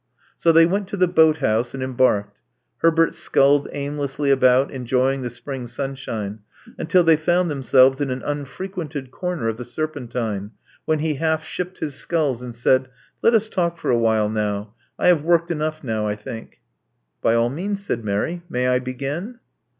So they went to the boat house and embarked. Herbert sculled aimlessly about, enjo3dng the spring sunshine, until they found themselves in an unfre quented corner of the Serpentine, when he half shipped his sculls, and said, Let us talk for a while now. I have worked enough, I think." *'By all means," said Mary. May I begin?"